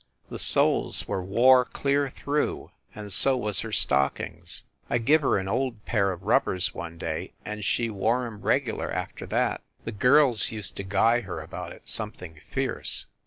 The soles were wore clear through, and so was her stockings, I give her an old pair of rubbers one day, and she wore em regular after that. The girls used to guy her about it something fierce.